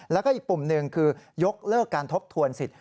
แล้วก็อีกปุ่มหนึ่งคือยกเลิกการทบทวนสิทธิ